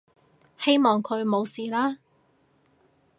希望佢冇事啦